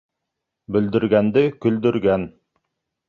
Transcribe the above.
Бөлдөргәнде көлдөргән!